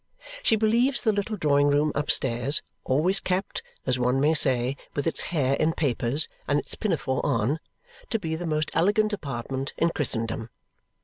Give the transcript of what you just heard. She believes the little drawing room upstairs, always kept, as one may say, with its hair in papers and its pinafore on, to be the most elegant apartment in Christendom.